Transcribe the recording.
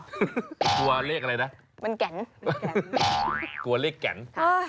กลัวเลขอะไรนะมันแก่นกลัวเลขแก่น